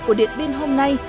của điện biên hôm nay